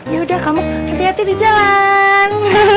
yaudah kamu hati hati di jalan